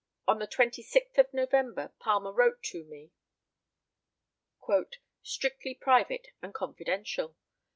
On the 26th of November Palmer wrote to me: "(Strictly private and confidential.)